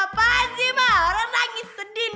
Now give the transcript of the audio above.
apaan sih orang nangis sedih nih